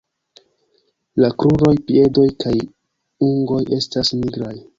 La kruroj, piedoj kaj ungoj estas nigraj.